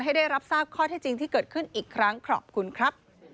ได้รับทราบข้อที่จริงที่เกิดขึ้นอีกครั้งขอบคุณครับ